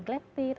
ada yang negletit